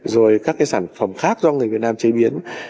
rồi các cái sản phẩm khác do người việt nam chế biến